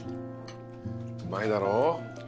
うまいだろ？